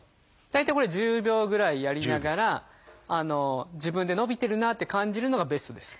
大体これ１０秒ぐらいやりながら自分で伸びてるなあって感じるのがベストです。